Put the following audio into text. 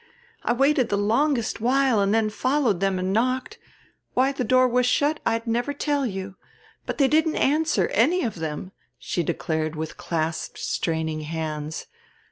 I waited the longest while and then followed them and knocked. Why the door was shut I'd never tell you. But they didn't answer, any of them," she declared with clasped straining hands.